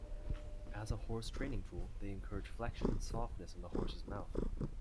As a horse training tool, they encourage flexion and softness in the horse's mouth.